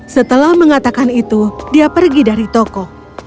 setelah mengatakan itu dia pergi dari toko